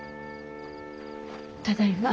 ただいま。